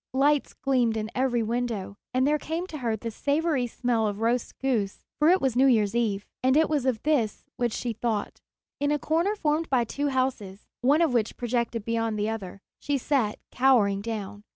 Lights gleamed in every window, and there came to her the savory smell of roast goose, for it was New Year's Eve. And it was of this which she thought. In a corner formed by two houses, one of which projected beyond the other, she sat cowering down.